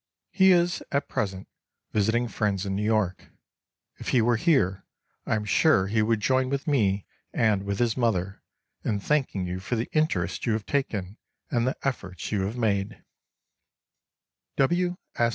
He is, at present, visiting friends in New York. If he were here, I am sure he would join with me and with his mother in thanking you for the interest you have taken and the efforts you have made.